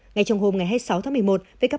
ngày trong hôm hai mươi sáu tháng một mươi một